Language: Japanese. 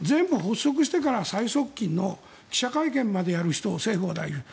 全部発足してから最側近の記者会見までやる人を。